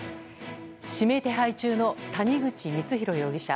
指名手配中の谷口光弘容疑者。